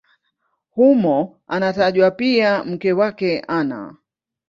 Humo anatajwa pia mke wake Ana.